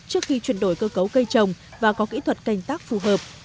trước khi chuyển đổi cơ cấu cây trồng và có kỹ thuật canh tác phù hợp